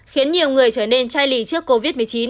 khiến nhiều người trở nên chai lị trước covid một mươi chín